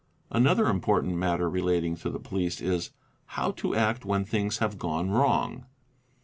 Another important matter relating to the police is, How to act when _ things have gone wrong?